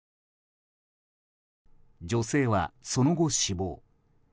女性はその後、死亡。